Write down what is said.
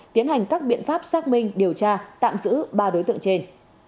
tiến hành các biện pháp xác minh điều tra tạm giữ ba đối tượng trên